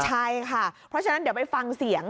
ใช่ค่ะเพราะฉะนั้นเดี๋ยวไปฟังเสียง